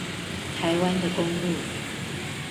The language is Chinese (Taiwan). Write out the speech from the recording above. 臺灣的公路